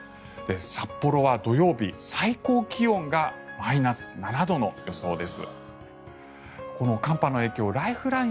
札幌は土曜日、最高気温がマイナス７度の予想です。